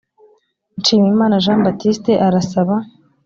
nshimiyimana jean baptiste arasaba